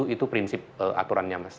itu prinsip aturannya mas